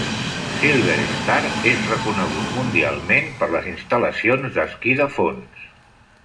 SilverStar és reconegut mundialment per les instal·lacions d'esquí de fons.